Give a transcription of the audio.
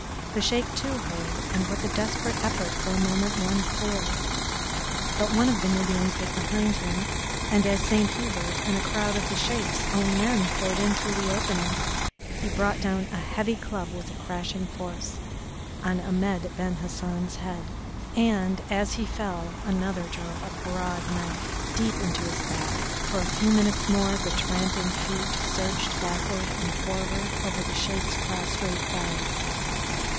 The Sheik, too, heard, and with a desperate effort for a moment won clear, but one of the Nubians was behind him, and, as Saint Hubert and a crowd of the Sheik's own men poured in through the opening, he brought down a heavy club with crashing force on Ahmed Ben Hassan's head, and as he fell another drove a broad knife deep into his back. For a few minutes more the tramping feet surged backward and forward over the Sheik's prostrate body.